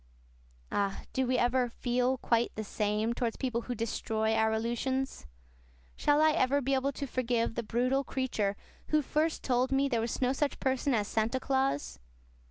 Ah, do we ever "feel quite the same" towards people who destroy our illusions? Shall I ever be able to forgive the brutal creature who first told me there was no such person as Santa Claus?